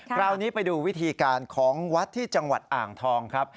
คราวนี้ไปดูวิธีการของวัดที่จังหวัดอ่างทองครับ